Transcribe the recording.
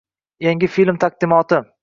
Yangi film taqdimoti